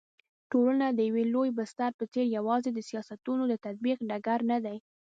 ټولنه د يوه لوی بستر په څېر يوازي د سياستونو د تطبيق ډګر ندی